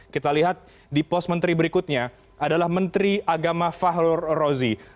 kita lihat di pos menteri berikutnya adalah menteri agama fahlur rozi